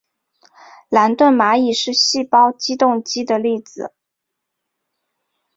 兰顿蚂蚁是细胞自动机的例子。